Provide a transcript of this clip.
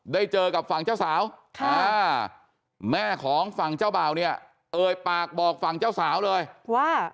ได้เจอกับฝั่งเจ้าสาวแม่ของฝั่งเจ้าบ่าวเนี่ยเอ่ยปากบอกฝั่งเจ้าสาวเลยว่า